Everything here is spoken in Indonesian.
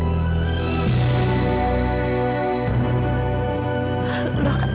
barangnya orangnya juga pantuin